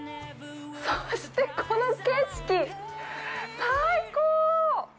そして、この景色、最高！